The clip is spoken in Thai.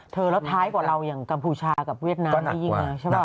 แล้วท้ายกว่าเราอย่างกัมพูชากับเวียดนามที่ยิงมาใช่ป่